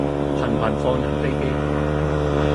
頻頻放人飛機